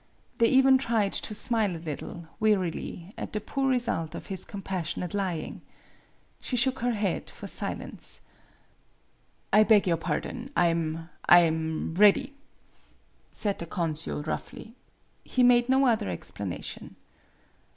They even tried to smile a little, wearily, at the poor result of his compassionate lying. She shook her head for silence. 80 MADAME BUTTERFLY "I beg your pardon; I 'm I am ready " said the consul, roughly. He made no other explanation.